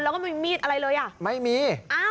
แล้วก็มีมีดอะไรเลยอ่ะค่ะอ้าวไม่มี